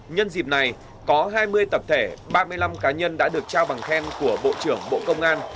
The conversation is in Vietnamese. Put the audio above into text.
nhân dịp này có hai mươi tập thể ba mươi năm cá nhân đã được trao bằng khen của bộ trưởng bộ công an